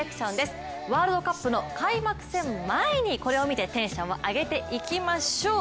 ワールドカップの開幕戦前にこれを見てテンションを上げていきましょう。